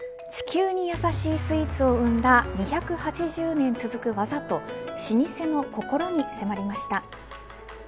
地球にやさしいスイーツを生んだ２８０年続く技と老舗の心に迫りました。